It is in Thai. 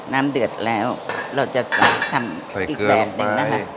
เดือดแล้วเราจะทำอีกแบบหนึ่งนะคะ